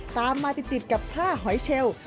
ตามมาติดกับผ้าหอยเชล